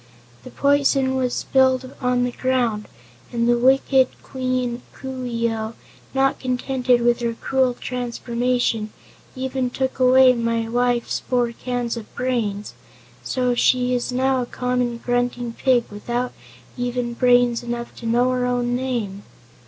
The poison was spilled on the ground and wicked Queen Coo ee oh, not content with her cruel transformation, even took away my wife's four cans of brains, so she is now a common grunting pig without even brains enough to know her own name."